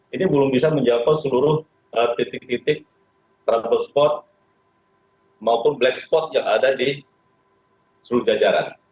ini belum bisa menjangkau seluruh titik titik trouble spot maupun black spot yang ada di seluruh jajaran